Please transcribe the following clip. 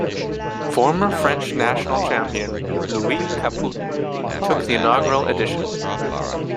Former French national champion Louis Caput took the inaugural edition.